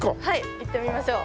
行ってみましょう。